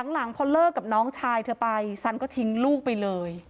หลังพอเลิกกับน้องชายเธอไปซันก็ทิ้งลูกไปเลย